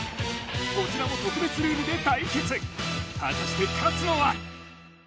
こちらも特別ルールで対決果たして勝つのは？